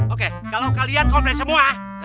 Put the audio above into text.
oke kalau kalian komplain semua